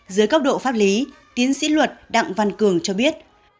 dưới cấp độ pháp lý tiến sĩ luật đặng văn cường cho biết